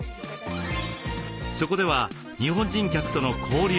そこでは日本人客との交流も。